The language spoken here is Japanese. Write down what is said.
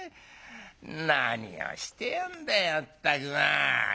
「何をしてやんだいまったくまあ。